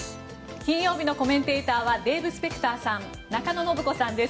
金曜日のコメンテーターはデーブ・スペクターさん中野信子さんです。